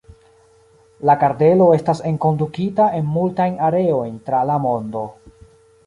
La kardelo estas enkondukita en multajn areojn tra la mondo.